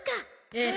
ええ。